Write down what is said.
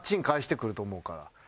返してくると思うから。